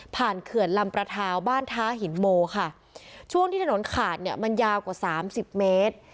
เขื่อนลำประทาวบ้านท้าหินโมค่ะช่วงที่ถนนขาดเนี่ยมันยาวกว่าสามสิบเมตร